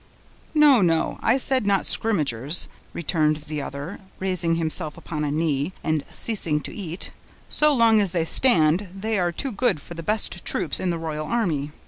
"No, no; I said not skrimmagers," returned the other, raising himself upon a knee, and ceasing to eat; "so long as they stand, they are too good for the best troops in the royal army.